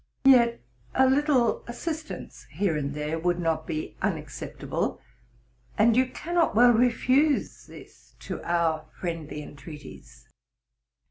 Yet a little assistance here and there would not be unacceptable, and you cannot well refuse this to our friendly entreaties.